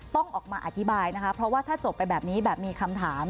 ต้องออกมาอธิบายนะคะเพราะว่าถ้าจบไปแบบนี้แบบมีคำถาม